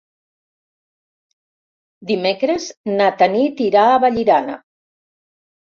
Dimecres na Tanit irà a Vallirana.